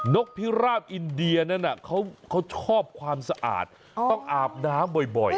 นกพิราบอินเดียนั้นเขาชอบความสะอาดต้องอาบน้ำบ่อย